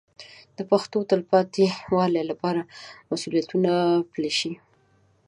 د پښتو د تلپاتې والي لپاره مسوولیتونه پلي شي.